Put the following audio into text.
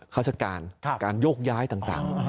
ราชการการโยกย้ายต่าง